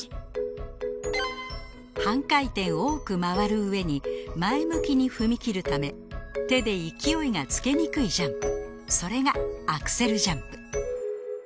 半回転多く回る上に前向きに踏み切るため手で勢いがつけにくいジャンプそれがアクセルジャンプ